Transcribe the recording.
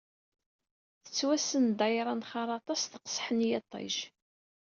Tettwassen ddayra n Xerraṭa s teqseḥ n yiṭij.